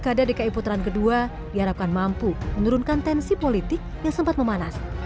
gekada dki puteran ii diharapkan mampu menurunkan tensi politik yang sempat memanas